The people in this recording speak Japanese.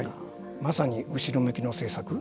まさに後ろ向きの政策。